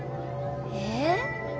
えっ？